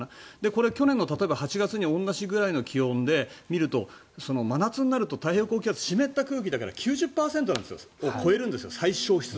これ例えば去年の８月に同じくらいの気温で見ると真夏になると太平洋高気圧湿った空気だから最小湿度が９０％超えるんですよ。